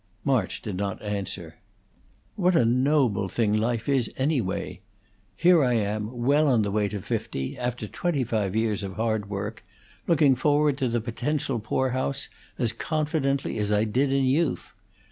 March did not answer. "What a noble thing life is, anyway! Here I am, well on the way to fifty, after twenty five years of hard work, looking forward to the potential poor house as confidently as I did in youth.